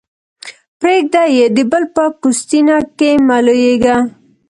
پرېږده يې؛ د بل په پوستينه کې مه لویېږه.